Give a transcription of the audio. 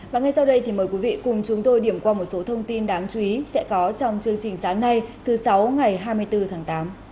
và ngay sau đây thì mời quý vị cùng chúng tôi điểm qua một số thông tin đáng chú ý sẽ có trong chương trình sáng nay thứ sáu ngày hai mươi bốn tháng tám